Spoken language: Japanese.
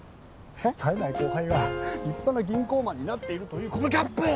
えっ？さえない後輩が立派な銀行マンになっているというこのギャップ！